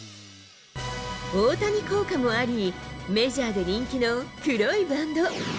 大谷効果もあり、メジャーで人気の黒いバンド。